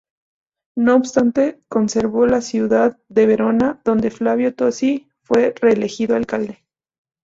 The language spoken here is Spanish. No obstante, conservó la ciudad de Verona, donde Flavio Tosi fue reelegido alcalde.